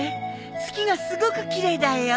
月がすごく奇麗だよ。